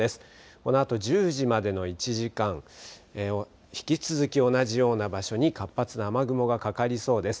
このあと１０時までの１時間、引き続き同じような場所に活発な雨雲がかかりそうです。